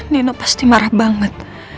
nino pasti marah banget